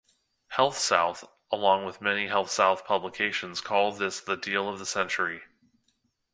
HealthSouth along with many Healthcare publications called this the "deal of the century".